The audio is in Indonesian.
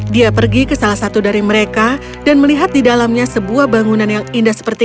dia pergi ke salah satu dari mereka dan melihat di dalamnya sebuah bangunan yang indah seperti